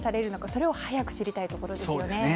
それを早く知りたいですよね。